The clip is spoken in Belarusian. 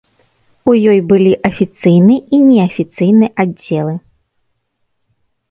У ёй былі афіцыйны і неафіцыйны аддзелы.